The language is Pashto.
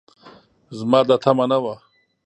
زما دا تمعه نه وه